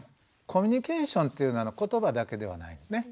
コミュニケーションというのは言葉だけではないですね。